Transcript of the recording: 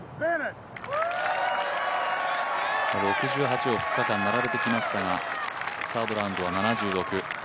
６８を２日間並べてきましたがサードラウンドは７６、